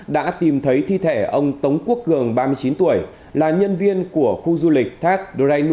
đã tìm thấy thi thể ông tống quốc cường ba mươi chín tuổi là nhân viên của khu du lịch thác đô rai nụ